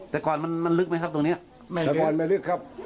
แต่ก่อนมันลึกไหมครับตรงนี้แต่ก่อนไม่ลึกครับ